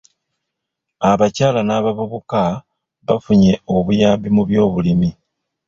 Abakyala n'abavubuka bafunye obuyambi mu by'obulimi.